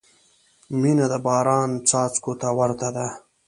• مینه د باران څاڅکو ته ورته ده.